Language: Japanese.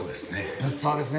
物騒ですね。